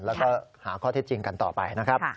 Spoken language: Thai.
แล้วก็หาข้อเท็จจริงกันต่อไปนะครับ